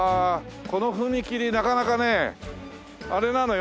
この踏切なかなかねあれなのよ。